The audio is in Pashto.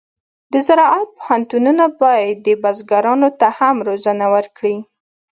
د زراعت پوهنتونونه باید بزګرانو ته هم روزنه ورکړي.